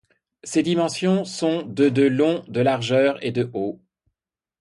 Ses dimensions sont de de long, de largeur et de haut.